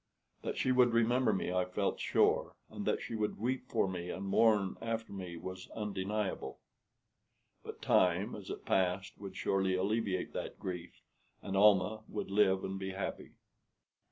That she would remember me I felt sure, and that she would weep for me and mourn after me was undeniable; but time as it passed would surely alleviate that grief, and Almah would live and be happy.